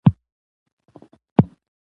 مېلې د ټولنیزو اړیکو د پراختیا وسیله ده.